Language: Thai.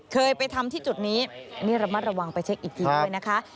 เคยไปทำที่จุดนี้นี่ระมัดระวังไปเช็คอีกทีด้วยนะคะ